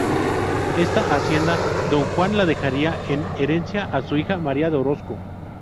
Esta hacienda, Don Juan la dejaría en herencia a su hija María de Orozco.